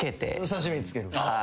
刺し身につける。